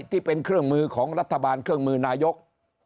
ที่เป็นเครื่องมือของรัฐบาลเครื่องมือนายก